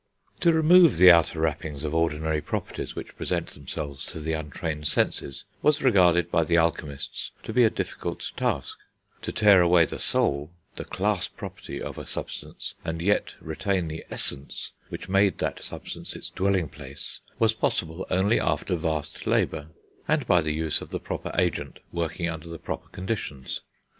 To remove the outer wrappings of ordinary properties which present themselves to the untrained senses, was regarded by the alchemists to be a difficult task; to tear away the soul (the class property) of a substance, and yet retain the Essence which made that substance its dwelling place, was possible only after vast labour, and by the use of the proper agent working under the proper conditions.